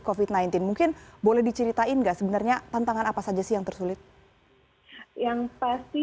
covid sembilan belas mungkin boleh diceritain nggak sebenarnya tantangan apa saja sih yang tersulit yang pasti